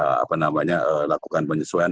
kira kira apakah targetnya akan kita lakukan penyesuaian